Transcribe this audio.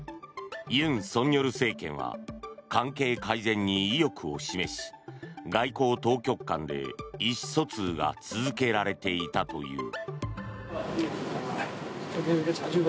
尹錫悦政権は関係改善に意欲を示し外交当局間で意思疎通が続けられていたという。